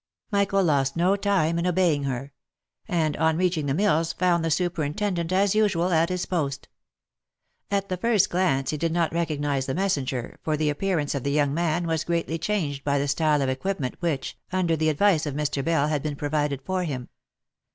Michael lost no time in obeying her ; and on reaching the mills found the superintendent, as usual, at his post. At the first glance he did not recognise the messenger, for the appearance of the young man was greatly changed by the style of equipment which, under the advice of Mr. Bell, had been provided for him.